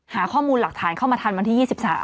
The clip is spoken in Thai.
หาข้อมูลหลักฐานเข้ามาทันวันที่๒๓